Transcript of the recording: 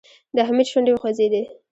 د حميد شونډې وخوځېدې.